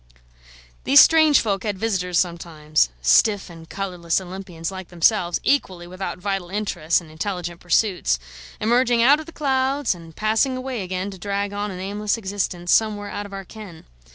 These strange folk had visitors sometimes, stiff and colourless Olympians like themselves, equally without vital interests and intelligent pursuits: emerging out of the clouds, and passing away again to drag on an aimless existence somewhere out of our ken.